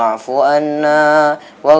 untuk tali saiz